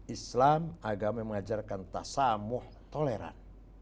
islam agama mengajarkan tasamu'h toleran